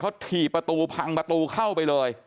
เขาถี่ประตูพังประตูเข้าไปเลย